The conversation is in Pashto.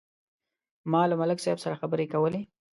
ما له ملک صاحب سره خبرې کولې.